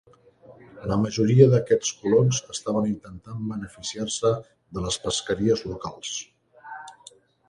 La majoria d"aquests colons estaven intentant beneficiar-se de les pesqueries locals.